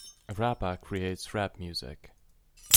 A rapper creates rap music.